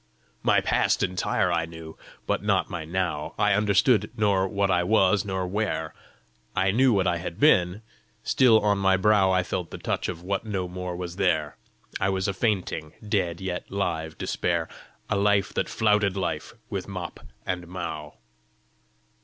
"My past entire I knew, but not my now; I understood nor what I was, nor where; I knew what I had been: still on my brow I felt the touch of what no more was there! I was a fainting, dead, yet live Despair; A life that flouted life with mop and mow!